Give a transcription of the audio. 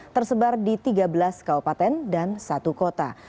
tersebar di tiga belas kaupaten dan satu kota